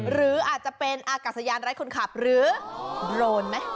หรืออาจจะเป็นอากาศยานไร้คนขับหรือโดรนไหม